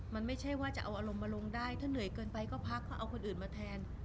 มันไม่ใช่ว่าจะเอาอารมณ์มาลงได้ถ้าเหนื่อยเกินไปก็พักเขาเอาคนอื่นมาแทน